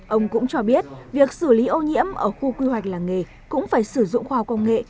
ông cũng cho biết việc xử lý ô nhiễm ở khu quy hoạch làng nghề cũng phải sử dụng khoa học công nghệ